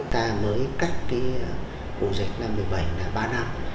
chúng ta mới cắt cái bộ dịch là một mươi bảy là ba năm